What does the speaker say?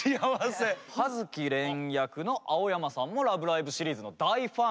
葉月恋役の青山さんも「ラブライブ！」シリーズの大ファン！